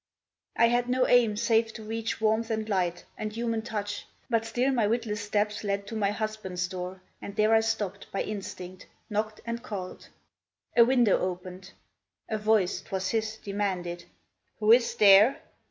I had no aim, save to reach warmth and light And human touch; but still my witless steps Led to my husband's door, and there I stopped, By instinct, knocked, and called. A window oped. A voice t'was his demanded: "Who is there?"